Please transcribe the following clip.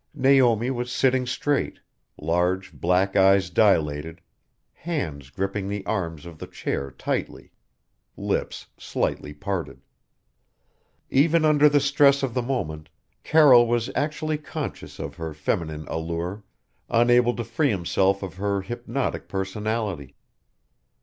Naomi was sitting straight, large black eyes dilated, hands gripping the arms of the chair tightly, lips slightly parted. Even under the stress of the moment Carroll was actually conscious of her feminine allure; unable to free himself of her hypnotic personality.